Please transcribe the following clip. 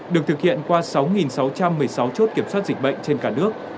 được thực hiện qua sáu sáu trăm một mươi sáu chốt kiểm soát dịch bệnh trên cả nước